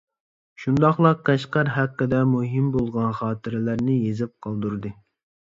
شۇنداقلا قەشقەر ھەققىدە مۇھىم بولغان خاتىرىلەرنى يېزىپ قالدۇردى.